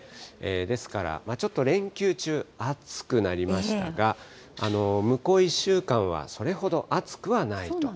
ですから、ちょっと連休中、暑くなりましたが、向こう１週間はそれほど暑くはないと。